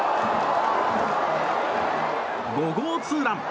５号ツーラン。